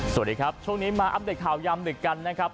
สวัสดีครับช่วงนี้มาอัปเดตข่าวยามดึกกันนะครับ